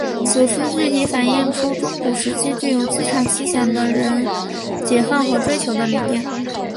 此书具体反映出中古时期具有资产思想的人解放与追求的理念。